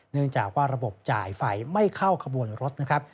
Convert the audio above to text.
เนื่องจากว่าระบบจ่ายไฟไม่เข้าขบวนรถนะครับ